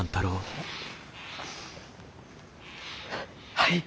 はい。